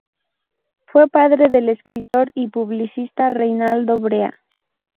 Fue padre del escritor y publicista Reynaldo Brea.